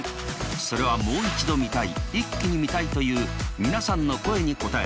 それはもう一度見たいイッキに見たいという皆さんの声に応え